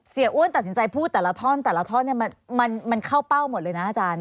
อ้วนตัดสินใจพูดแต่ละท่อนแต่ละท่อนเนี่ยมันเข้าเป้าหมดเลยนะอาจารย์